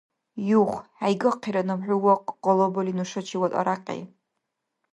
Юх, хӀейгахъира наб хӀу вахъ къалабали нушачивад арякьи.